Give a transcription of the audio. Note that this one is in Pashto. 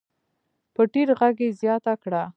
په ټيټ غږ يې زياته کړه.